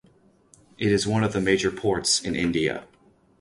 It is one of the major ports in India.